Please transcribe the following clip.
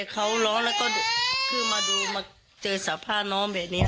ก็หรอแล้วก็มาดูมาเจอกับสามารถน้อมแบบนี้